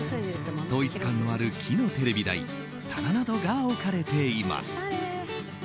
統一感のある木のテレビ台棚などが置かれています。